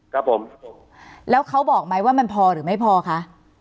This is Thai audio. ครับผมแล้วเขาบอกไหมว่ามันพอหรือไม่พอคะ